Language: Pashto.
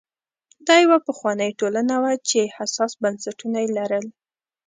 دا یوه پخوانۍ ټولنه وه چې حساس بنسټونه یې لرل